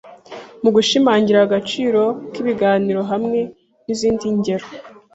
Mu gushimangira agaciro k’ibiganiro hamwe nizindi ngero